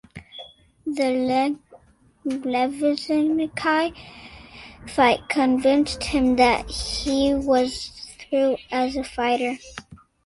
The Levinsky fight convinced him that he was through as a fighter.